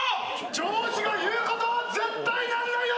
上司の言うことは絶対なんだよ！